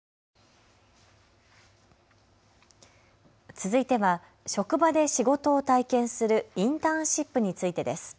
続いては職場で仕事を体験するインターンシップについてです。